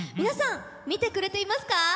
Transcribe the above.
皆さん見てくれていますか？